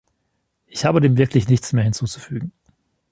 Ich habe dem wirklich nichts mehr hinzuzufügen.